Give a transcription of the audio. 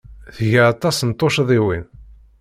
Tga aṭas n tuccḍiwin.